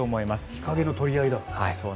日陰の取り合いだ。